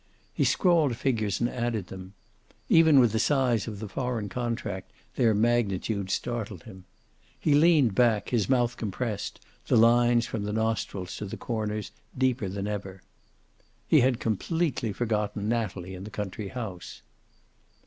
He scrawled figures and added them. Even with the size of the foreign contract their magnitude startled him. He leaned back, his mouth compressed, the lines from the nostrils to the corners deeper than ever. He had completely forgotten Natalie and the country house.